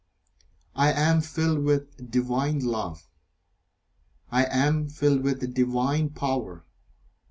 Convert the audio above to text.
I am filled with Divine Love. I am filled with Divine Power.